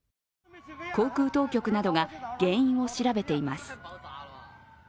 航空当局などが原因を調べています。